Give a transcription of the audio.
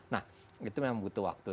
nah itu memang butuh waktu